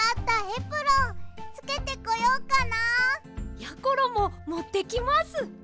やころももってきます。